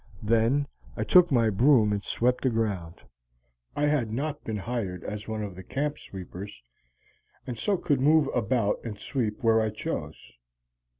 "Then I took my broom and swept the ground. I had not been hired as one of the camp sweepers, and so could move about and sweep where I chose.